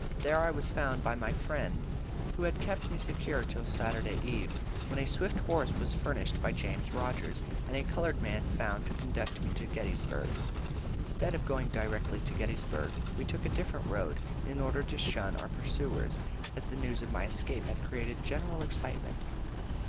There I was found by my friend, who kept me secure till Saturday eve, when a swift horse was furnished by James Rogers, and a colored man found to conduct me to Gettysburg. Instead of going direct to Gettysburg, we took a different road, in order to shun our pursuers, as the news of my escape had created general excitement.